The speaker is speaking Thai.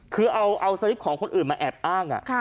คือเอาสลิปของคนอื่นมาแอบอ้าง